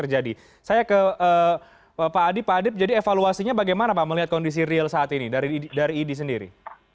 jadi saya ke pak adip pak adip jadi evaluasinya bagaimana pak melihat kondisi real saat ini dari idi sendiri